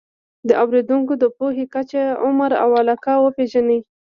د اورېدونکو د پوهې کچه، عمر او علاقه وپېژنئ.